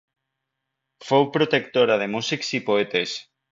Fou protectora de músics i poetes.